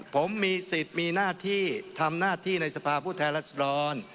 ผมมีสิทธิ์มีหน้าที่ทำหน้าที่ในสภาพผู้แทนรัศดร